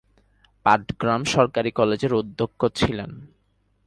পাটগ্রাম সরকারি কলেজের অধ্যক্ষ ছিলেন।